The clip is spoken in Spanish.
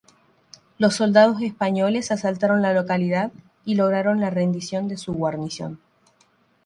Los soldados españoles asaltaron la localidad y lograron la rendición de su guarnición.